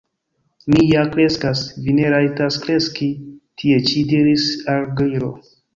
"Mi ja kreskas." "Vi ne rajtas kreski tie ĉi," diris la Gliro.